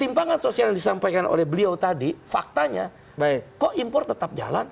ketimpangan sosial yang disampaikan oleh beliau tadi faktanya kok impor tetap jalan